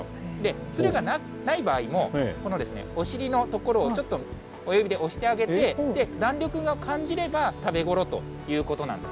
つるがない場合も、このお尻の所をちょっと親指で押してあげて、弾力が感じれば食べごろということなんです。